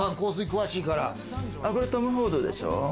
これ、トム・フォードでしょう。